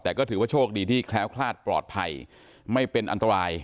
แต่ก็ถือว่าโชคดีที่แคล้วคลาดปลอดภัยไม่เป็นอันตราย